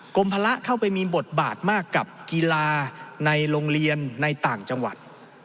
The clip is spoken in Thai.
พระเข้าไปมีบทบาทมากกับกีฬาในโรงเรียนในต่างจังหวัด